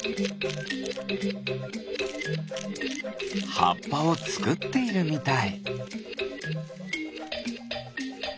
はっぱをつくっているみたい。